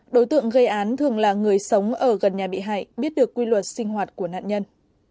đối tượng gây án thường là người sống ở gần nhà bị hại biết được quy luật sinh hoạt của nạn nhân